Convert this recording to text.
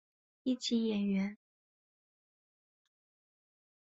一级演员。